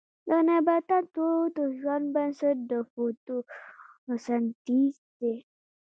د نباتاتو د ژوند بنسټ د فوتوسنتیز دی